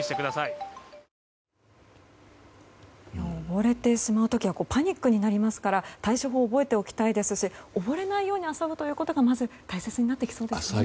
溺れてしまう時はパニックになりますから対処法を覚えておきたいですし溺れないように遊ぶということがまず大切になってきそうですね。